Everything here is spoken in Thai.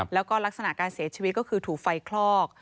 แล้วก็ลักษณะการเสียชีวิตก็คือถูกไฟคลอก